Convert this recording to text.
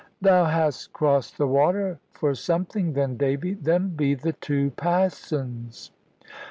"Thou hast crossed the water for something then, Davy. Them be the two Passons!"